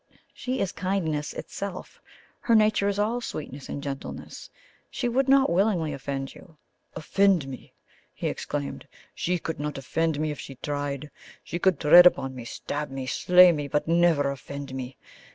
She is kindness itself her nature is all sweetness and gentleness. She would not willingly offend you " "Offend me!" he exclaimed; "she could not offend me if she tried. She could tread upon me, stab me, slay me, but never offend me.